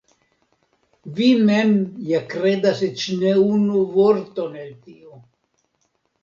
Vi mem ja kredas eĉ ne unu vorton el tio.